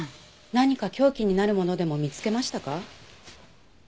何か凶器になるものでも見つけましたか？